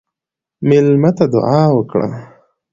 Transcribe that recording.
مېلمه ته دعا وکړه.